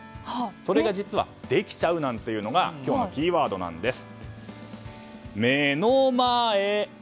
それが実はできちゃうのが今日のキーワードなんです。